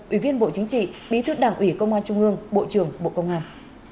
ủy viên bộ chính trị bí thư đảng ủy công an trung ương bộ trưởng bộ công an